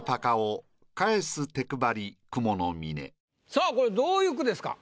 さぁこれどういう句ですか？